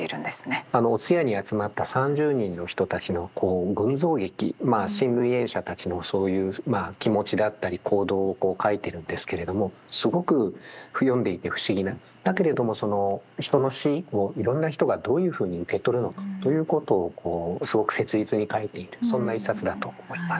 あの通夜に集まった３０人の人たちのこう群像劇まあ親類縁者たちのそういう気持ちだったり行動を書いているんですけれどもすごく読んでいて不思議なだけれどもその人の死をいろんな人がどういうふうに受け取るのかということをこうすごく切実に書いているそんな一冊だと思います。